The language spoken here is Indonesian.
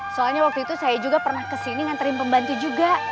soalnya waktu itu saya juga pernah kesini nganterin pembantu juga